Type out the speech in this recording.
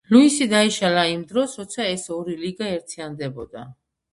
ლუისი დაიშალა იმ დროს, როცა ეს ორი ლიგა ერთიანდებოდა.